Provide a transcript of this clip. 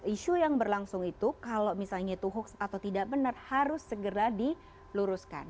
isu yang berlangsung itu kalau misalnya itu hoax atau tidak benar harus segera diluruskan